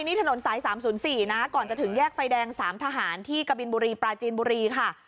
นี่ถนนสาย๓๐๔นะก่อนจะถึงแยกไฟแดง๓ทหารที่กะบินบุรีปลาจีนบุรีค่ะ